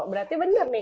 berarti benar nih